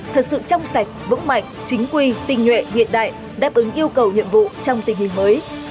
thật sự trong sạch vững mạnh chính quy tình nguyện hiện đại đáp ứng yêu cầu nhiệm vụ trong tình hình mới